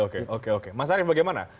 oke oke mas arief bagaimana